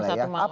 jam satu malam